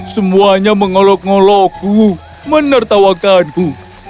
semuanya mengolok ngolokku menertawakanku